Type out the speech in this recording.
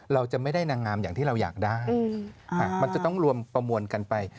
เราจะไม่ได้นางงามอย่างที่เราอยากได้มันจะต้องรวมประมวลกันไป